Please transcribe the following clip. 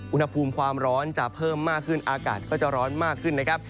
อุณหภูมิความร้อนจะเพิ่มมากขึ้นอากาศก็จะร้อนมากขึ้นนะครับ